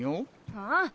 ああ？